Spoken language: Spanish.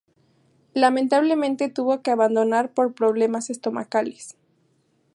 Lamentablemente tuvo que abandonar por problemas estomacales.